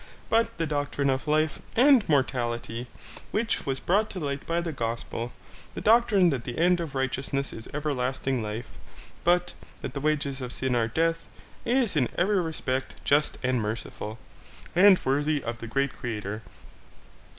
But the doctrine of life and Mortality which was brought to light by the gospel, the doctrine that the end of righteousness is everlasting life, but that the wages of sin are death, is in every respect just and merciful, and worthy of the great Creator.